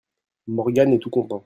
Morgan est tout content.